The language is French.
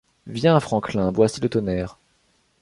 Viens, Franklin ! voici le Tonnerre.